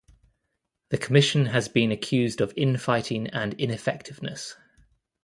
The commission has also been accused of in-fighting and ineffectiveness.